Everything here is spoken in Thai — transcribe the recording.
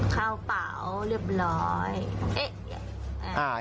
เข้าเป๋าเรียบร้อย